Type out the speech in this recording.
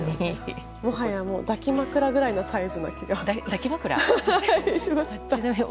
もはや抱き枕ぐらいのサイズ